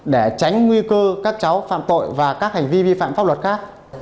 để tránh nguy cơ các cháu phạm tội và các hành vi vi phạm pháp luật khác